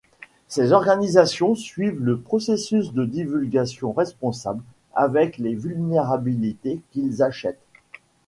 Ces organisations suivent le processus de divulgation responsable avec les vulnérabilités qu'ils achètent.